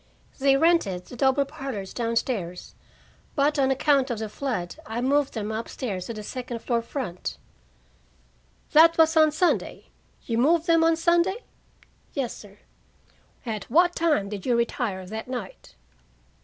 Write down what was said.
"They rented the double parlors down stairs, but on account of the flood I moved them up stairs to the second floor front." "That was on Sunday? You moved them on Sunday?" "Yes, sir." "At what time did you retire that night?"